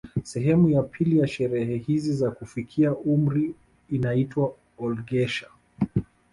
Sehemu ya pili ya sherehe hizi za kufikia umri inaitwa olghesher